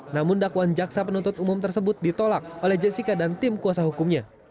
namun dakwaan jaksa penuntut umum tersebut ditolak oleh jessica dan tim kuasa hukumnya